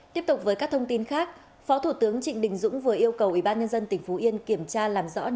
tiếp tục với các thông tin khác phó thủ tướng trịnh đình dũng vừa yêu cầu ủy ban nhân dân tỉnh phú yên kiểm tra làm rõ những vấn đề này